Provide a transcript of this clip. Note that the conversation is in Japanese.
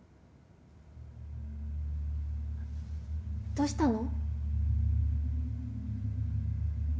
どうしたの？